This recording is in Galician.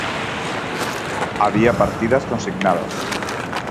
Había partidas consignadas.